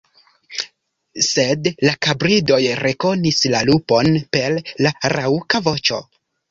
Sed la kapridoj rekonis la lupon per la raŭka voĉo.